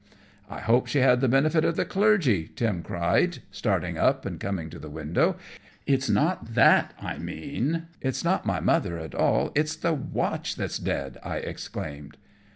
"I hope she had the benefit of the Clergy," Tim cried, starting up and coming to the window. "It's not that I mean, it's not my mother at all, it's the watch that's dead," I explained.